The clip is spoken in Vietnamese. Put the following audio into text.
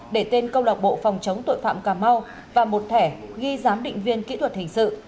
để tên công lạc bộ phòng chống tội phạm cà mau và một thẻ ghi giám định viên kỹ thuật hình sự